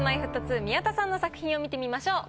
宮田さんの作品を見てみましょう。